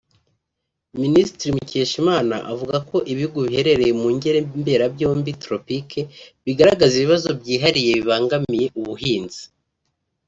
Minisitiri Mukeshimana avuga ko ibihugu biherereye mu ngere mberabyombi (tropiques) bigaragaza ibibazo byihariye bibangamiye ubuhinzi